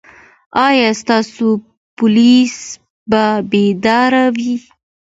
ایا ستاسو پولیس به بیدار وي؟